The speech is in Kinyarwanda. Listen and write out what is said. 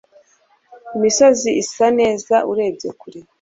Imisozi isa neza urebye kure.